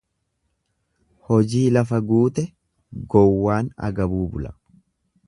Hojii lafa guute gowwaan agabuu bula.